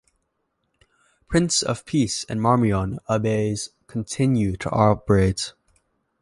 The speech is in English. Prince of Peace and Marmion abbeys continue to operate.